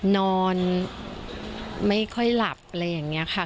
นอนไม่ค่อยหลับอะไรอย่างนี้ค่ะ